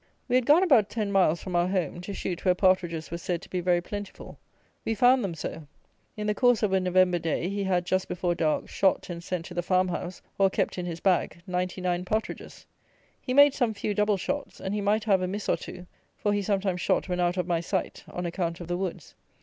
We had gone about ten miles from our home, to shoot where partridges were said to be very plentiful. We found them so. In the course of a November day, he had, just before dark, shot, and sent to the farmhouse, or kept in his bag, ninety nine partridges. He made some few double shots, and he might have a miss or two, for he sometimes shot when out of my sight, on account of the woods.